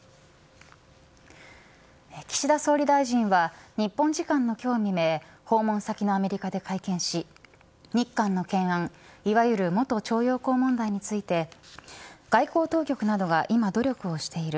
岸田総理大臣は日本時間の今日未明訪問先のアメリカで会見し日韓の懸案いわゆる元徴用工問題について外交当局などが今、努力をしている。